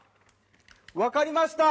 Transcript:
分かりました。